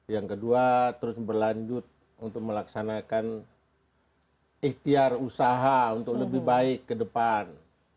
yang kedua terus berlanjut untuk melaksanakan ikhtiar usaha untuk lebih baik ke depan